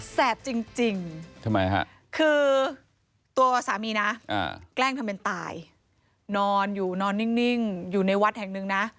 แสบจริงทำไมฮะคือตัวสามีนะแกล้งทำเป็นตายนอนอยู่นอนนิ่งอยู่ในวัดแห่งหนึ่งนะ